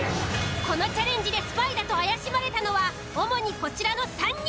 このチャレンジでスパイだと怪しまれたのは主にこちらの３人。